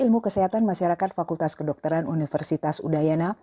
masyarakat fakultas kedokteran universitas udayana